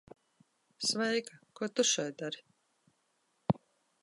Sveika. Ko tu šeit dari?